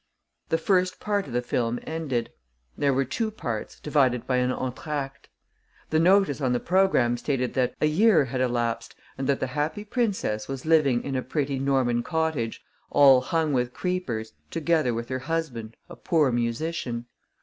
The first part of the film ended. There were two parts, divided by an entr'acte. The notice on the programme stated that "a year had elapsed and that the Happy Princess was living in a pretty Norman cottage, all hung with creepers, together with her husband, a poor musician."